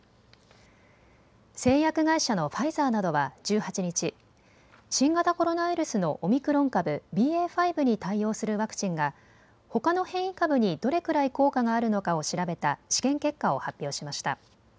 製薬会社のファイザーなどは１８日、新型コロナウイルスのオミクロン株、ＢＡ．５に対応するワクチンがほかの変異株にどれくらい効果があるのかを調べた試験結果を発表しました。